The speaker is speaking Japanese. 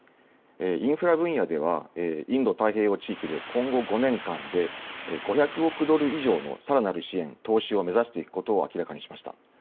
インフラ分野では、インド太平洋地域で今後５年間で、５００億ドル以上のさらなる支援、投資を目指していくことを明らかにしました。